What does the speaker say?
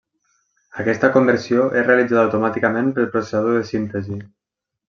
Aquesta conversió és realitzada automàticament pel processador de síntesi.